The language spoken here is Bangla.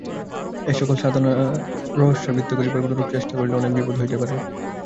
এ-সকল সাধনা রহস্যাবৃত করিবার কোনরূপ চেষ্টা করিলে অনেক বিপদ হইতে পারে।